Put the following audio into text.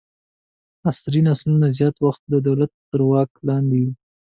عصري نسلونه زیات وخت د دولت تر واک لاندې وو.